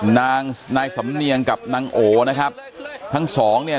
นายสำเนียงกับนางโอนะครับทั้งสองเนี่ย